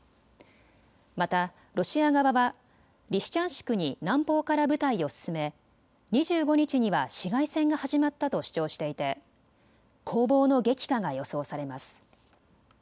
またロシア側はリシチャンシクに南方から部隊を進め２５日には市街戦が始まったと主張していて攻防の激化が予想されます。